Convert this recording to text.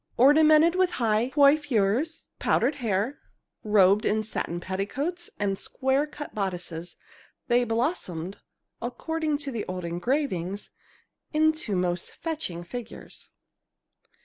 Ornamented with high coiffures, powdered hair, robed in satin petticoats and square cut bodices, they blossomed, according to the old engravings, into most fetching figures.